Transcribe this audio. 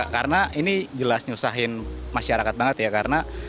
karena ini jelas menyusahkan masyarakat banget ya karena